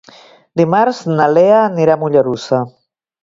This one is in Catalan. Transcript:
Dimarts na Lea anirà a Mollerussa.